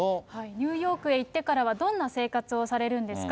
ニューヨークへ行ってからは、どんな生活をされるんですか？